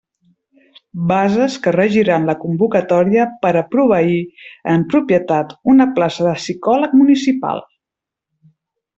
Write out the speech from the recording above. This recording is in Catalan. Bases que regiran la convocatòria per a proveir en propietat una plaça de psicòleg municipal.